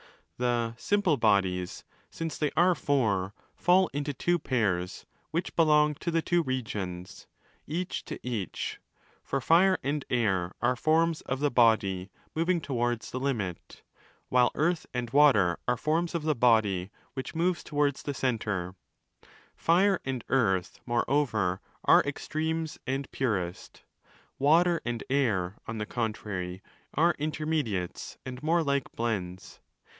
30 The 'simple' bodies, since they are four, fall into two pairs which belong to the two regions, each to each: for Fire and Air are forms of the body moving towards the 'limit', while Earth and Water are forms of the body which moves towards the 'centre'. Fire and Earth, moreover, are extremes and purest: Water and Air, on the contrary, 331° are intermediates and more like blends.